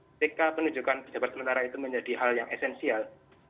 ketika penunjukan pejabat sementara itu menjadi hal yang esensial